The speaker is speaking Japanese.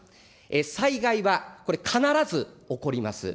災害は、これ、必ず起こります。